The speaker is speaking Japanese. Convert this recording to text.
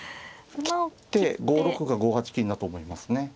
切って５六歩か５八金だと思いますね。